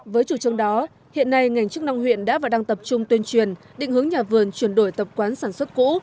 với chủ trương đó hiện nay ngành chức năng huyện đã và đang tập trung tuyên truyền định hướng nhà vườn chuyển đổi tập quán sản xuất cũ